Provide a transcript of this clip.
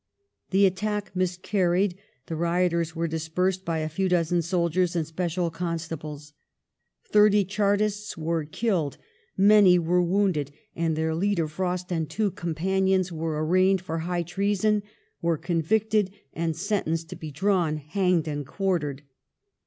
The attack miscarried, the Hotel's were dispei'sed by a few dozen soldiers and special constables. Thirty Chartists were killed, many were wounded ; and their leader. Frost, and two companions were anaigned for high treason, were convicted, and sentenced to be drawn, hanged, and quartered.